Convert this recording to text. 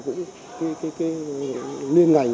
cũng cái liên ngành